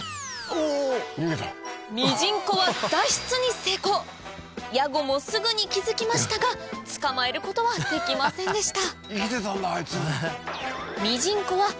ミジンコはヤゴもすぐに気付きましたが捕まえることはできませんでした